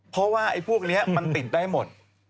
เพราะว่าไอ้พวกนี้มันติดได้หมด